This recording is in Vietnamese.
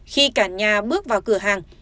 khi cả nhà bước vào cửa hàng